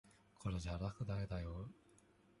これじゃ落第だよ。